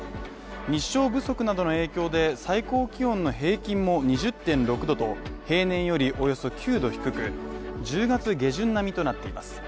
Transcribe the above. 日照不足などの影響で最高気温の平均も２０．６度と平年よりおよそ９度低く１０月下旬並みとなっています